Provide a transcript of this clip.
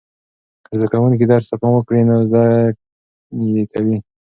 که زده کوونکي درس ته پام وکړي نو زده یې کوي.